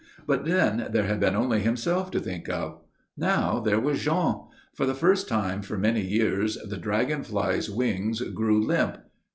But then there had been only himself to think of. Now there was Jean. For the first time for many years the dragon fly's wings grew limp.